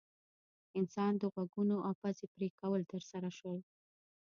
انسان د غوږونو او پزې پرې کول ترسره شول.